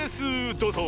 どうぞ！